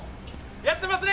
やってますね！